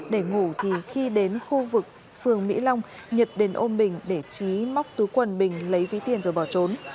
để ngủ thì khi đến khu vực phường mỹ long nhật đến ôn bình để trí móc túi quần bình lấy ví tiền rồi bỏ trốn